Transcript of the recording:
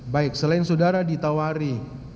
baik selain saudara ditawari